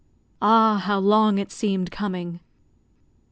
Ah, how long it seemed coming!